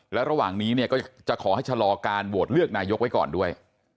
และระหว่างนี้เนี่ยก็จะขอให้ชะลอการโหวตเลือกนายกไว้ก่อนด้วย